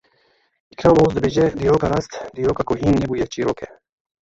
Îkram Oxuz dibêje; dîroka rast, dîroka ku hîn nebûye çîrok e.